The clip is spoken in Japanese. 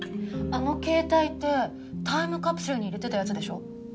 あの携帯ってタイムカプセルに入れてたやつでしょ？